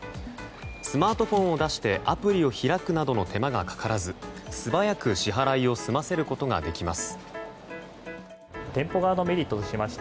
スマートフォンを出してアプリを開くなどの手間がかからず、素早く支払いを済ませることができます。